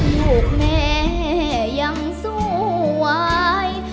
ลูกแม่ยังสู้ไว้